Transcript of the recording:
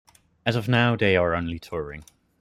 As of now, they are only touring.